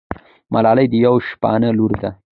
ملالۍ د یوه شپانه لور ده.